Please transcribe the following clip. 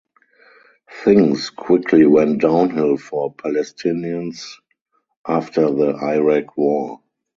Things quickly went downhill for Palestinians after the Iraq War.